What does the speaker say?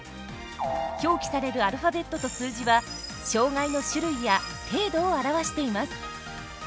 表記されるアルファベットと数字は障がいの種類や程度を表しています。